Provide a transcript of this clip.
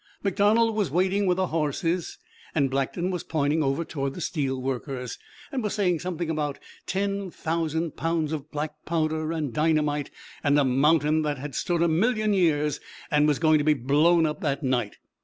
MacDonald was waiting with the horses, and Blackton was pointing over toward the steel workers, and was saying something about ten thousand pounds of black powder and dynamite and a mountain that had stood a million years and was going to be blown up that night.